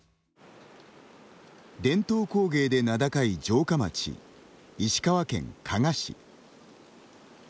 伝統工芸で名高い城下町石川県加賀市。